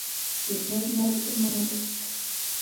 د خیر نیت ایمان تازه کوي.